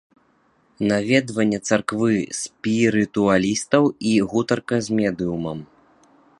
Наведванне царквы спірытуалістаў і гутарка з медыумам.